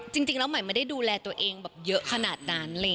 จริงแล้วใหม่ไม่ได้ดูแลตัวเองแบบเยอะขนาดนั้น